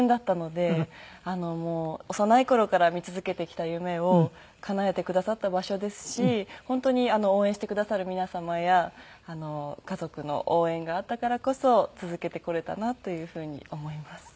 もう幼い頃から見続けてきた夢をかなえてくださった場所ですし本当に応援してくださる皆様や家族の応援があったからこそ続けてこれたなというふうに思います。